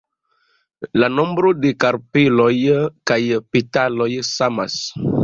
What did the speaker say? La nombro de karpeloj kaj petaloj samas.